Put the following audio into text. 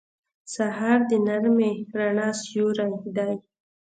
سهار د نرمې رڼا سیوری دی.